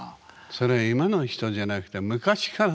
それ今の人じゃなくて昔から。